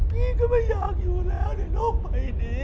พี่ก็ไม่อยากอยู่แล้วในโลกใบนี้